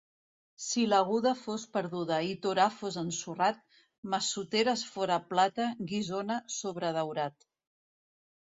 Si l'Aguda fos perduda i Torà fos ensorrat, Massoteres fora plata, Guissona sobredaurat.